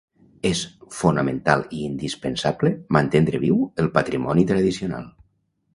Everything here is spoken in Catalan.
és fonamental i indispensable mantendre viu el patrimoni tradicional